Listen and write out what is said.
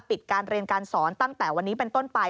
ปิดการเรียนการสอนตั้งแต่วันนี้เป็นต้นไป